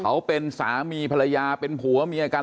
เขาเป็นสามีภรรยาเป็นผัวเมียกัน